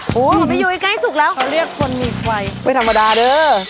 ของพี่ยุ้ยใกล้สุกแล้วเขาเรียกคนมีไฟไม่ธรรมดาเด้อ